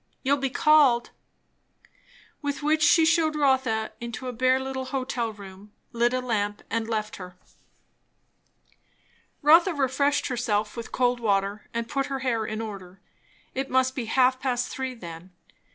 You'll be called." With which she shewed Rotha into a bare little hotel room, lit a lamp, and left her. Rotha refreshed herself with cold water and put her hair in order. It must be half past three then.